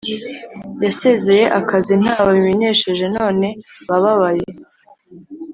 Yasezeye akazi ntawe abimenyesheje none bababaye